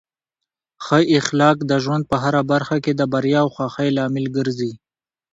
ښه اخلاق د ژوند په هره برخه کې د بریا او خوښۍ لامل ګرځي.